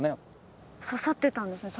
刺さってたんですか？